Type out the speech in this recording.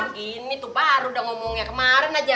gini tuh baru udah ngomongnya kemarin aja